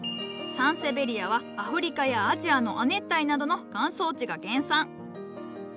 サンセベリアはアフリカやアジアの亜熱帯などの乾燥地が原産。